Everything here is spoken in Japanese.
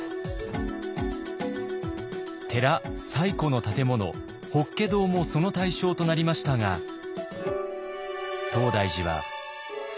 寺最古の建物法華堂もその対象となりましたが東大寺は強く難色を示します。